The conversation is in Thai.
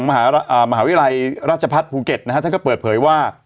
มหาวิทยาลัยราชพัฒน์ภูเก็ตนะฮะท่านก็เปิดเผยว่า